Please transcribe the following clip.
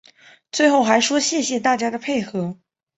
最后还说谢谢大家的配合